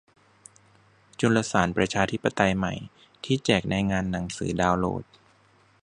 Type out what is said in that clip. จุลสาร ประชาธิปไตยใหม่ ที่แจกในงานหนังสือ ดาวน์โหลด